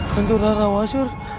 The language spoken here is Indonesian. hantu rawa asyur